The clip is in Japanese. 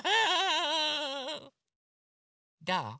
どう？